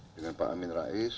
dengan pak amin rais